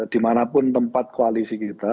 dimanapun tempat koalisi kita